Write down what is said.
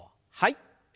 はい。